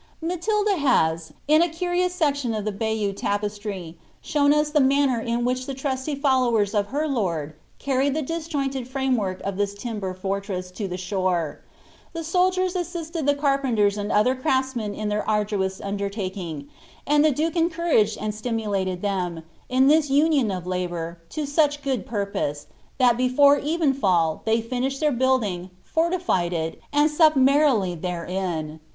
Matilda hofi, in a curious section of the Bayeux tapestry, shotn the manner in which the inieiy followers of her loin carried the,^ . joJjQled ^me work of tliis timber fortress to the shore. Th« sol^ L usisied tito car|>enter« and other crartsmeo in iliis arduous underti I ind the duke encouraged and stimulated tbem, in this union of latq 1 1p euftli good purpose, thai before even ftill they hod finished llieir ■ ing. fortified il, and supped merrily ilierein.